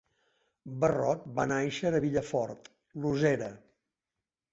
Barrot va nàixer a Vilafòrt, Losera.